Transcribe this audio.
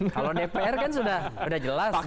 kalau dpr kan sudah jelas